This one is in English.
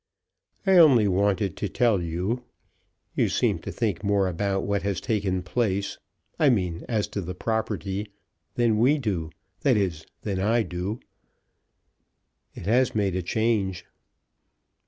"I only wanted to tell you; you seem to think more about what has taken place, I mean as to the property, than we do; that is, than I do." "It has made a change."